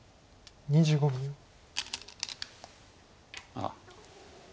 あっ。